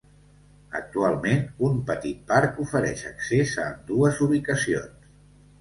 Actualment, un petit parc ofereix accés a ambdues ubicacions.